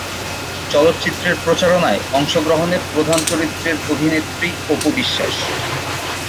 চলচ্চিত্রের প্রচারণায় অংশ অংশগ্রহণ এর প্রধান চরিত্রের অভিনেত্রী অপু বিশ্বাস।